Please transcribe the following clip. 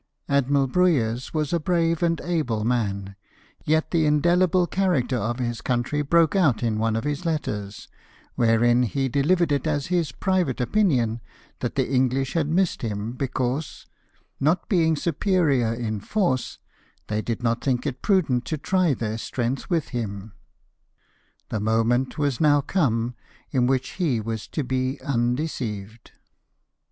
Admiral Brueys was a brave and able man ; yet the indelible character of his country broke out in one of his letters, wherein he delivered it as his private opinion that the English had missed him because, not BATTLE OF THE IsILE. 139 being superior in force, they did not think it prudent to try their strength with him. The moment was now come in which he was to be undeceived.